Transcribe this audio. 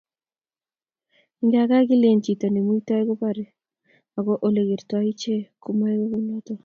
ingaa kilen chito nemuitoi koboore, ago olegertoi iche komaegu kunoto